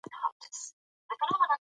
آیا ملکیار هوتک د هوتکو له کوره و؟